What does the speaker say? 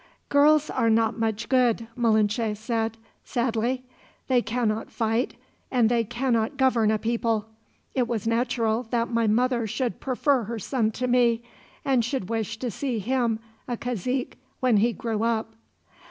"Girls are not much good," Malinche said, sadly. "They cannot fight, and they cannot govern a people. It was natural that my mother should prefer her son to me, and should wish to see him a cazique, when he grew up."